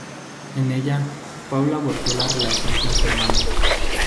En ella, Paul abordó la relación con su hermano.